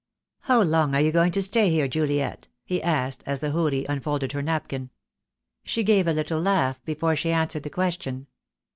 "How long are you going to stay here, Juliet ?" he asked, as the houri unfolded her napkin. She gave a little laugh before she answered the question.